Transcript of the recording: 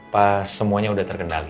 pas semuanya udah terkendali